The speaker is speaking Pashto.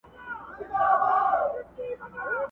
د ولس اقتصاد په دې برید ولاړ دی